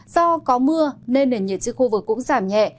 do có mưa nên nền nhiệt trên khu vực cũng giảm nhẹ